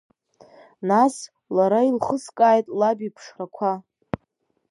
Нас, лара илхыскааит лаб иԥшрақәа.